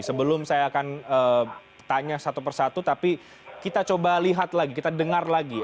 sebelum saya akan tanya satu persatu tapi kita coba lihat lagi kita dengar lagi